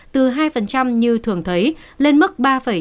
từ hai như thường thấy lên mức ba chín mươi tám